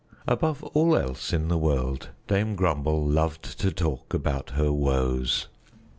Above all else in the world, Dame Grumble loved to talk about her woes.